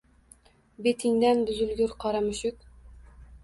Betingdan buzilgur qora mushuk